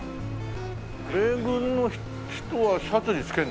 米軍の人はシャツに付けるんでしょ？